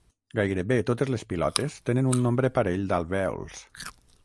Gairebé totes les pilotes tenen un nombre parell d'alvèols.